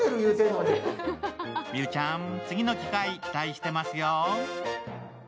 美羽ちゃん、次の機会、期待してますよ。